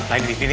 nah ini ini